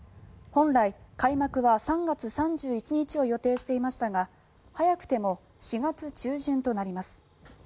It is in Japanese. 本来、開幕は３月３１日を予定していましたが早くても４月中旬となります。